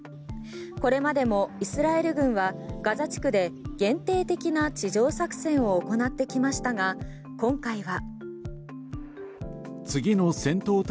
これまでもイスラエル軍はガザ地区で限定的な地上作戦を行ってきましたが今回は。